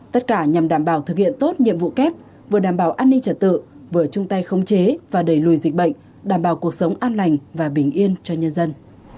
tất cả nhằm đảm bảo thực hiện tốt nhiệm vụ kép vừa đảm bảo an ninh trật tự vừa chung tay khống chế và đẩy lùi dịch bệnh đảm bảo cuộc sống an lành và bình yên cho nhân dân